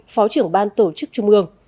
phó trưởng ban tổ chức trung ương